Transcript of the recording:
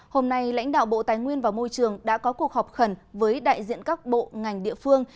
hôm nay lãnh đạo bộ tài nguyên và môi trường đã có cuộc họp khẩn với đại diện các bộ ngành địa phương